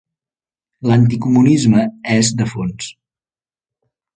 L'anticomunisme és de fons.